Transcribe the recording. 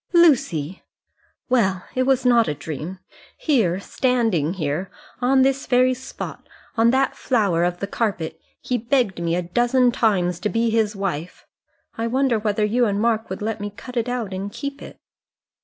"Lucy!" "Well, it was not a dream. Here, standing here, on this very spot on that flower of the carpet he begged me a dozen times to be his wife. I wonder whether you and Mark would let me cut it out and keep it."